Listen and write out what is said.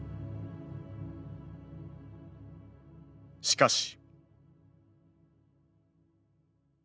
しかし。